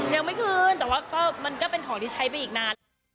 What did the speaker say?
ยังไม่คืนแต่ว่าก็มันก็เป็นของที่ใช้ไปอีกนาน